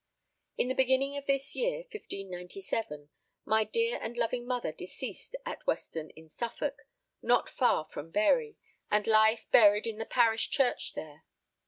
In the beginning of this year, 1597, my dear and loving mother deceased at Weston in Suffolk, not far from Bury, and lieth buried in the parish church there.